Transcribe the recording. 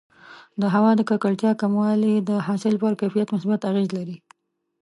د هوا د ککړتیا کموالی د حاصل پر کیفیت مثبت اغېز لري.